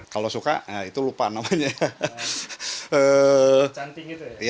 kalau suka itu lupa namanya